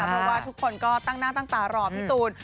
เพราะว่าทุกคนก็ตั้งหน้าตั้งตารอพี่ตูน